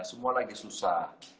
semua lagi susah